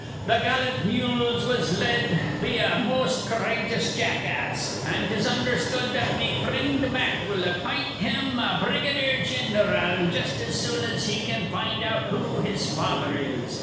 Th' gallant mules was led be a most courageous jackass, an' 'tis undhersthud that me frind Mack will appint him a brigadier gin ral jus' as soon as he can find out who his father is.